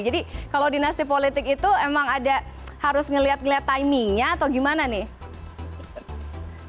jadi kalau dinasti politik itu emang ada harus ngeliat ngeliat timingnya atau gimana nih